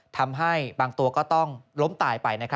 ทำให้บางตัวก็ต้องล้มตายไป